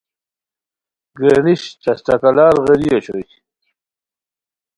گرانیش چشٹکالار غیری اوشوئے